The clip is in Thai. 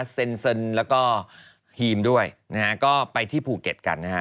เซนแล้วก็ฮีมด้วยก็ไปที่ภูเก็ตกัน